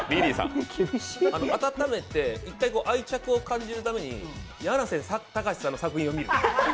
温めて一回愛着を感じるためにやなせたかしさんの作品を見る。